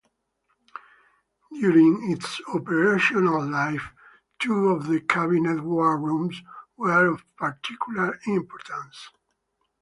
During its operational life two of the Cabinet War Rooms were of particular importance.